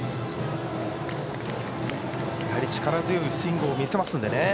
やはり力強いスイングを見せるので。